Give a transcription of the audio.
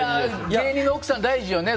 芸人の奥さん大事よね